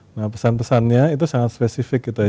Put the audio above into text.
nah pesan pesannya itu sangat spesifik gitu ya